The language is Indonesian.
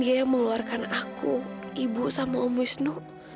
dia yang mengeluarkan aku ibu sama um wisnu